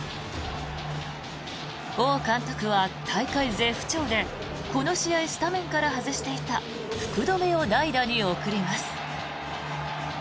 王監督は大会絶不調でこの日、スタメンから外していた福留を代打に送ります。